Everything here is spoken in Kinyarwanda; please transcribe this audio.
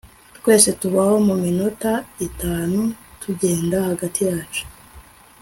Twese tubaho muminota itanu tugenda hagati yacu